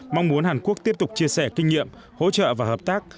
mong muốn hàn quốc tiếp tục chia sẻ kinh nghiệm hỗ trợ và hợp tác